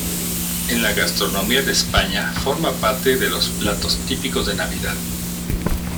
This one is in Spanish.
En la gastronomía de España forma parte de los platos típicos de Navidad.